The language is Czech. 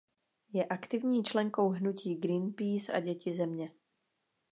Je aktivní členkou hnutí Greenpeace a Děti Země.